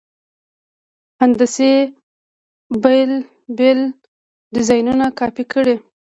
هندسي بېل بېل ډیزاینونه کاپي کړئ.